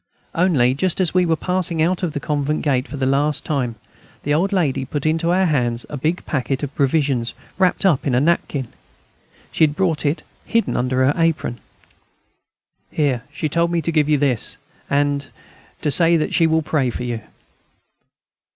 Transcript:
Only, just as we were passing out of the convent gate for the last time, the old lady put into our hands a big packet of provisions wrapped up in a napkin. She had brought it hidden under her apron. "Here, she told me to give you this, and ... to say that she will pray for you."